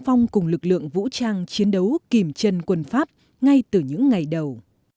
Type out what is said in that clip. phong cùng lực lượng vũ trang chiến đấu kìm chân quân pháp ngay từ những ngày đầu